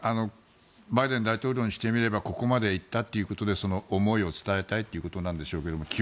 バイデン大統領にしてみればここまで行ったということで思いを伝えたいということなんでしょうけど